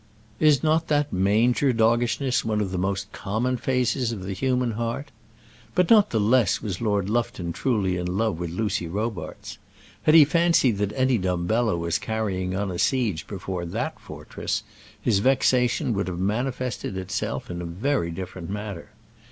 Is not that manger doggishness one of the most common phases of the human heart? But not the less was Lord Lufton truly in love with Lucy Robarts. Had he fancied that any Dumbello was carrying on a siege before that fortress, his vexation would have manifested itself in a very different manner.